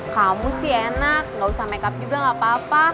kamu sih enak gak usah makeup juga gak apa apa